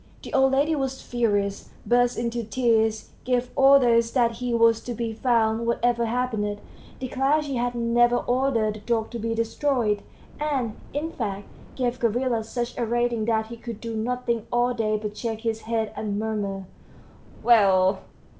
The old lady was furious, burst into tears, gave orders that he was to be found whatever happened, declared she had never ordered the dog to be destroyed, and, in fact, gave Gavrila such a rating that he could do nothing all day but shake his head and murmur, "Well!"